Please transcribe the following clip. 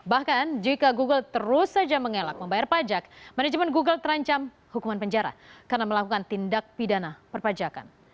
bahkan jika google terus saja mengelak membayar pajak manajemen google terancam hukuman penjara karena melakukan tindak pidana perpajakan